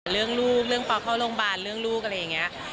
เรื่องลูกเรื่องป๊อปเข้าโรงพยาบาลเรื่องลูกอะไรอย่างนี้